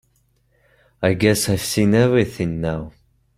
I guess I've seen everything now.